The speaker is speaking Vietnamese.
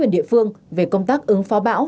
bộ công an